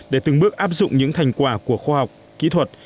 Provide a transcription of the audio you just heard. để từng bước áp dụng những thành quả của khoa học kỹ thuật